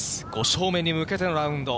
５勝目に向けてのラウンド。